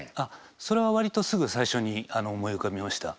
それは割とすぐ最初に思い浮かびました。